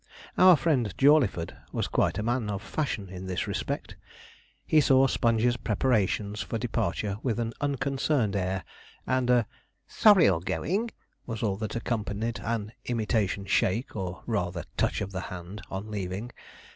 Our friend Jawleyford was quite a man of fashion in this respect. He saw Sponge's preparations for departure with an unconcerned air, and a 'sorry you're going,' was all that accompanied an imitation shake, or rather touch of the hand, on leaving.